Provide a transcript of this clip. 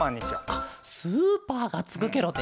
あっスーパーがつくケロね。